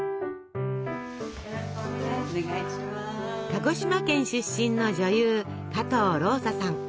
鹿児島県出身の女優加藤ローサさん。